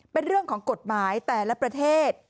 เป็นเรื่องของกฎหมายแต่ละประเทศ